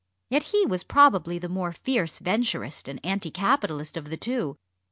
Yet he was probably the more fierce Venturist and anticapitalist of the two.